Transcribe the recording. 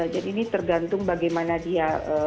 jadi ini tergantung bagaimana dia